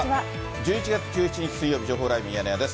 １１月１７日水曜日、情報ライブミヤネ屋です。